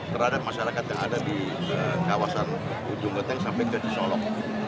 terhadap masyarakat yang ada di kawasan ujung genteng sampai ke cisolok